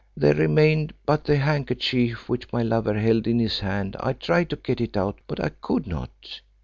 There remained but the handkerchief which my lover held in his hand. I tried to get it out, but I could not.